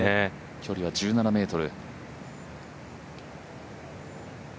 距離は１７ｍ。